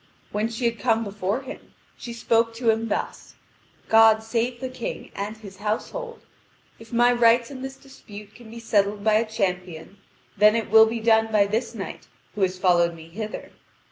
When she had come before him, she spoke to him thus: "God save the King and his household. If my rights in this dispute can be settled by a champion, then it will be done by this knight who has followed me hither.